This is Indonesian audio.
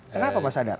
kenapa mas adar